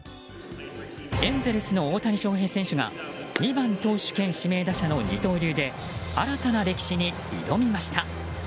エンゼルスの大谷翔平選手が２番投手兼指名打者の二刀流で新たな歴史に挑みました。